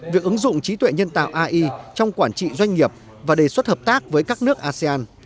việc ứng dụng trí tuệ nhân tạo ai trong quản trị doanh nghiệp và đề xuất hợp tác với các nước asean